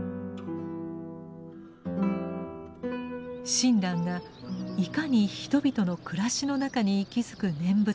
親鸞がいかに人々の暮らしの中に息づく念仏を大切にしたか。